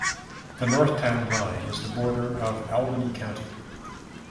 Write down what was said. The north town line is the border of Albany County.